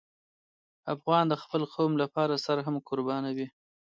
افغان د خپل قوم لپاره سر هم قربانوي.